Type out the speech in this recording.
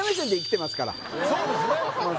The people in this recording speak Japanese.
そうですねまあ